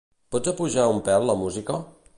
Pots apujar un pèl la música?